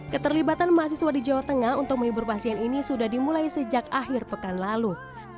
keterlibatan mahasiswa di jawa tengah untuk menghibur pasien ini sudah dimulai sejak akhir pekan lalu